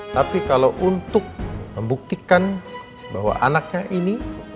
tapi kalau untuk membuktikan bahwa anaknya ini